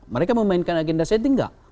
mereka memainkan agenda setting enggak